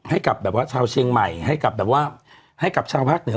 ให้กับชาวเชียงใหม่ให้กับชาวภาคเหนือ